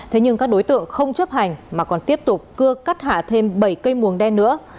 thế nhưng các đối tượng không chấp hành mà còn tiếp tục cưa cắt hạ thêm bảy cây mồng đen nữa